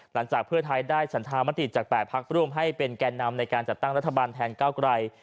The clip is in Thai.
หลังจากเพื่อไทยได้ฉันธามติจาก๘พักร่วมให้เป็นแก่นำในการจัดตั้งรัฐบาลแทนก้าวไกล